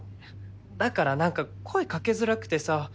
だから何か声掛けづらくてさ。